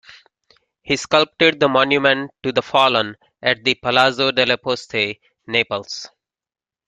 He sculpted the monument to the "Fallen" at the Palazzo delle Poste, Naples.